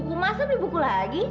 buku masa beli buku lagi